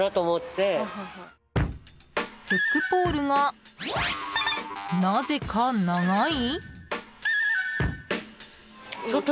フックポールが、なぜか長い？